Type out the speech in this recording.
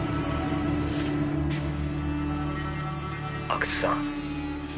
阿久津さん